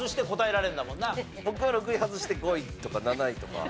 僕は６位外して５位とか７位とか。